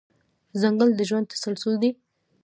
ځنګل د ژوند تسلسل دی.